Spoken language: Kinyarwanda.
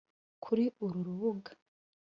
Kuri uru rubuga